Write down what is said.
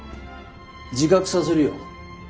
自覚させるよ。